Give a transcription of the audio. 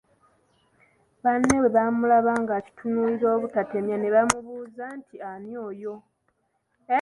Banne bwe bamulaba ng'akitunuulira obutatemya ne bamubuuza nti "Ani oyo?